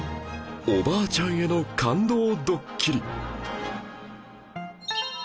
おばあちゃんへの感動ドッキリ